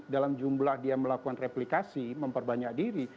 dalam jumlah dia melakukan replikasi memperbanyak diri